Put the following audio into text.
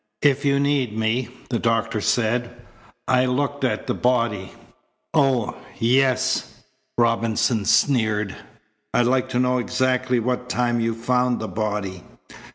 "If you need me," the doctor said. "I looked at the body " "Oh, yes," Robinson sneered. "I'd like to know exactly what time you found the body."